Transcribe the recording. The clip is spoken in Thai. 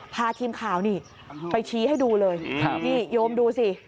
พาทีมข่าวนี่ไปชี้ให้ดูเลยนี่โยมดูสิ